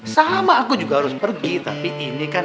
sama aku juga harus pergi tapi ini kan